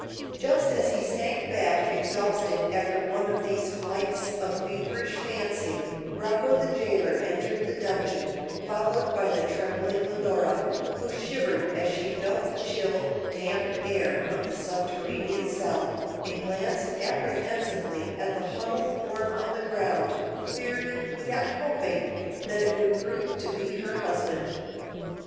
Just as he sank back exhausted after one of these flights of feverish fancy, Rocco the jailer entered the dungeon, followed by the trembling Leonora, who shivered as she felt the chill, damp air of the subterranean cell, and glanced apprehensively at the huddled form on the ground, fearing, yet hoping, that it would prove to be her husband.